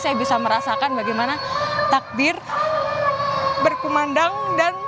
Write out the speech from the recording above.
saya bisa merasakan bagaimana takbir berkumandang dan